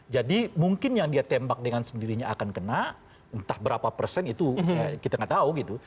jadi mungkin yang dia tembak dengan sendirinya akan kena entah berapa persen itu kita nggak tahu gitu